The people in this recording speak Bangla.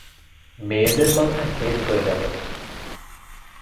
মেয়েদের মাথা হেঁট হয়ে গেল।